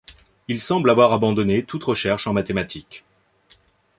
Il semble avoir abandonné toute recherche en mathématiques.